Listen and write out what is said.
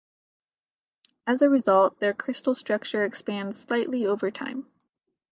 As a result, their crystal structure expands slightly over time.